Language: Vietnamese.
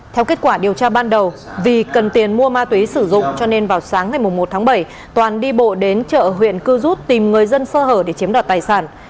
theo kết quả điều tra ban đầu vì cần tiền mua ma túy sử dụng cho nên vào sáng ngày một tháng bảy toàn đi bộ đến chợ huyện cư rút tìm người dân sơ hở để chiếm đoạt tài sản